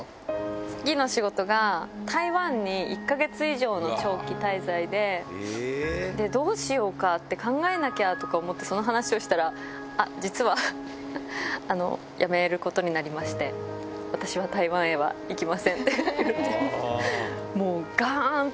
次の仕事が台湾に１か月以上の長期滞在で、どうしようかって考えなきゃって思って、その話をしたら、あっ、実は、辞めることになりまして、私は台湾へは行きませんって言って。